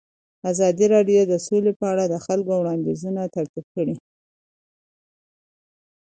ازادي راډیو د سوله په اړه د خلکو وړاندیزونه ترتیب کړي.